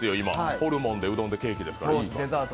ホルモンでうどんでケーキですから。